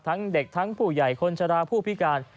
ทั้งเด็กทั้งผู้ใหญ่คนชะลาผู้พิการ